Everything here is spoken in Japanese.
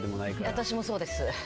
私もそうです。